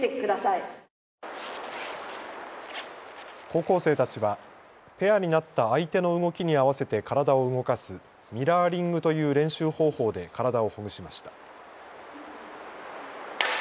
高校生たちはペアになった相手の動きに合わせて体を動かすミラーリングという練習方法で体をほぐしました。